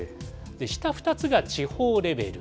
下２つが地方レベル。